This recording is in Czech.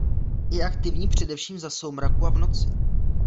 Je aktivní především za soumraku a v noci.